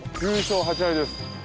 ９勝８敗です。